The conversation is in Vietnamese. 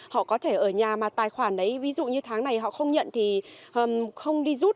họ có thể ở nhà mà tài khoản đấy ví dụ như tháng này họ không nhận thì không đi rút